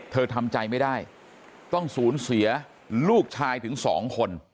ทำใจไม่ได้ต้องสูญเสียลูกชายถึงสองคน